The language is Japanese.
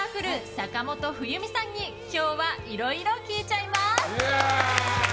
坂本冬美さんに今日はいろいろ聞いちゃいます。